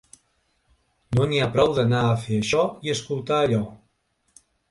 No n’hi ha prou d’anar a fer això i escoltar allò.